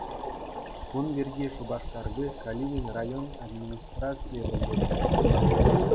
Кун пирки Шупашкарти Калинин район администрацийӗ пӗлтерет.